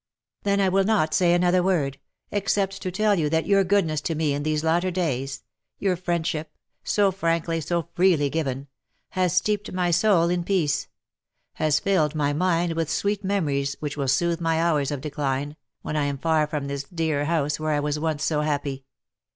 " Then I will not say another word, except to tell you that your goodness to me in these latter days — your friendship, so frankly, so freely given — has steeped my soul in peace — has filled my mind with sweet memories which will sooth my hours of decline, when I am far from this dear house where I was once so happy.